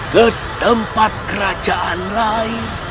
ketempat kerajaan lain